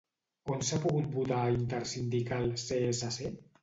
On s'ha pogut votar a Intersindical-CSC?